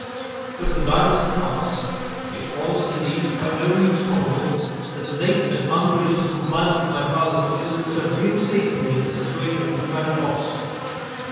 But the die was cast. It was, indeed, by no means probable that a late and ungracious compliance with my father's wishes would have reinstated me in the situation which I had lost.